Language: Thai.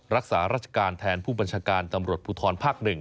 รักษาราชการแทนผู้บัญชาการตำรวจภูทรภาค๑